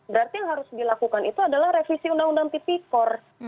berarti yang harus dilakukan itu adalah revisi undang undang tipikor